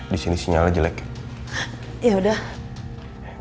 disini sinyalnya jelek ya udah